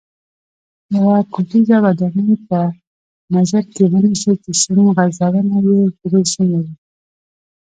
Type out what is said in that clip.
یوه کوټیزه ودانۍ په نظر کې ونیسئ چې سیم غځونه یې درې سیمه وي.